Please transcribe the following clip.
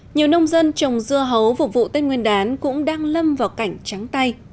nhiều nông dân trồng dưa hấu phục vụ tết nguyên đán cũng đang lâm vào cảnh trắng tay